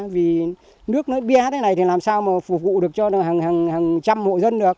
vì nước nó bé thế này thì làm sao mà phục vụ được cho hàng trăm hộ dân được